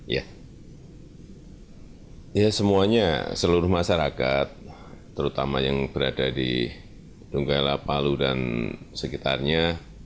ya semuanya seluruh masyarakat terutama yang berada di donggala palu dan sekitarnya